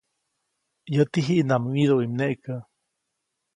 ‒Yäti jiʼnam wyĩduʼi mneʼkä-.